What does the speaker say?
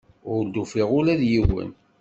Ur d-ufiɣ ula d yiwen.